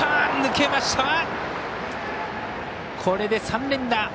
これで３連打。